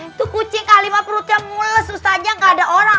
itu kucing kahlimah perutnya mulus susah aja gak ada orang